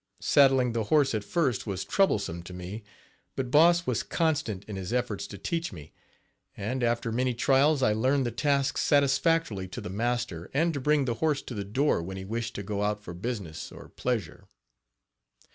Saddling the horse at first was troublesome to me, but Boss was constant in his efforts to teach me, and, after many trials, I learned the task satisfactorily to the master and to bring the horse to the door when he wished to go out for business or pleasure.